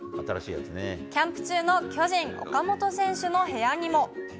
キャンプ中の巨人、岡本選手の部屋にも。